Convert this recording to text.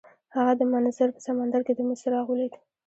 هغه د منظر په سمندر کې د امید څراغ ولید.